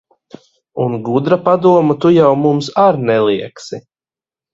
Un gudra padoma tu jau mums ar neliegsi.